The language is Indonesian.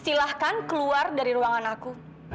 silahkan keluar dari ruangan aku